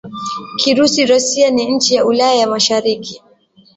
Kirusi Rossiya ni nchi ya Ulaya ya Mashariki